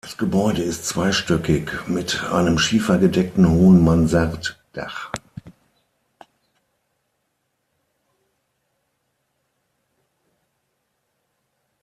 Das Gebäude ist zweistöckig mit einem schiefergedeckten hohen Mansarddach.